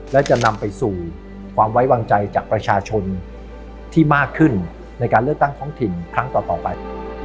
และจะนำไปสู่ความไว้วางใจจากประชาชนที่มากขึ้นในการเลือกตั้งท้องถิ่นครั้งต่อไป